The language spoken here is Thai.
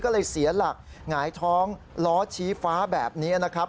ก็เลยเสียหลักหงายท้องล้อชี้ฟ้าแบบนี้นะครับ